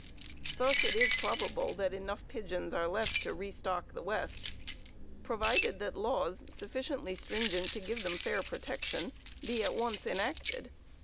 Thus it is probable that enough Pigeons are left to restock the West, provided that laws sufficiently stringent to give them fair protection be at once enacted.